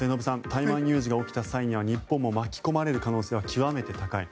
台湾有事が起きた際には日本も巻き込まれる可能性は極めて高い。